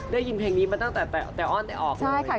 ได้ยินเพลงนี้มาตั้งแต่อ้อนแต่ออกเลย